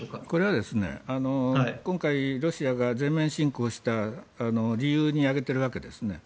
これは今回ロシアが全面侵攻した理由に挙げているわけです。